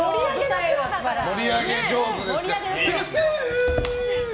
盛り上げ上手ですからね。